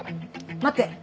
待って。